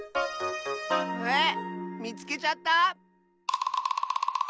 えっみつけちゃった？